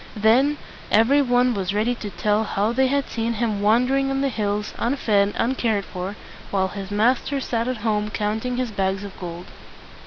Then every one was ready to tell how they had seen him wan der ing on the hills, unfed, un cared for, while his master sat at home counting his bags of gold.